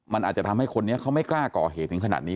มันอาจจะทำให้พวกมันไม่กล้าก่อเหตุผิดถึงขนาดนี้